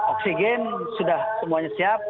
oksigen sudah semuanya siap